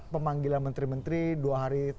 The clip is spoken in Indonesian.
pemanggilan menteri menteri dua hari